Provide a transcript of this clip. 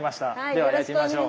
では焼いてみましょう。